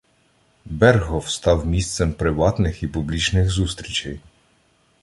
Бергхоф став місцем приватних і публічних зустрічей.